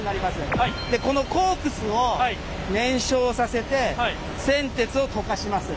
でこのコークスを燃焼させて銑鉄を溶かします。